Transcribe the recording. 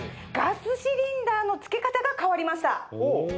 ガスシリンダーのつけ方が変わりました。